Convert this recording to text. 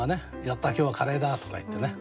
「やった！今日はカレーだ！」とか言ってね。